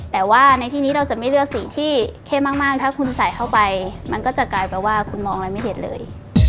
แต่ว่าในที่นี้เราจะไม่เลือกสีที่เข้มมากถ้าคุณใส่เข้าไปมันก็จะกลายเป็นว่าคุณมองอะไรไม่เด็ดเลย